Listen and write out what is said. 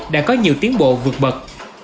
đã có nhiều tiến bộ vượt bật